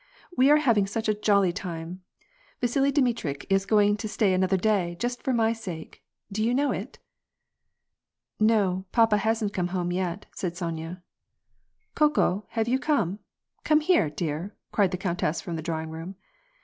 '^ We are having such a jolly time ; Yasili Dmitritch is going to stay another day, just for my sake ; did you know it ?"" No, papa hasn't come home yet," said Sonya. " Koko, have you come ? Come here, dear !" cried the countess from the drawing room.